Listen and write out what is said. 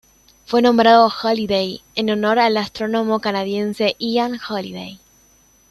Fue nombrado Halliday en honor al astrónomo canadiense Ian Halliday.